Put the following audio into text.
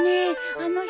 あの人